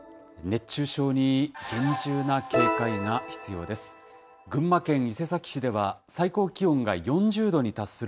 熱中症に厳重な警戒が必要です。